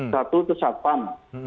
satu itu satpam